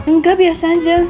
engga biasa aja